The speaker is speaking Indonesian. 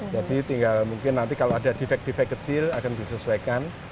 jadi tinggal mungkin nanti kalau ada defek defek kecil akan disesuaikan